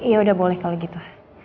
ya udah boleh kalau gitu